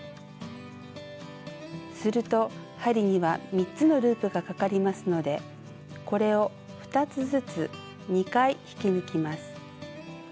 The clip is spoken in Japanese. すると針には３つのループがかかりますのでこれを２つずつ２回引き抜きます。